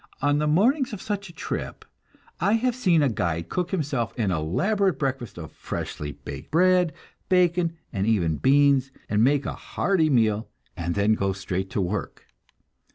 On the mornings of such a trip I have seen a guide cook himself an elaborate breakfast of freshly baked bread, bacon, and even beans, and make a hearty meal and then go straight to work.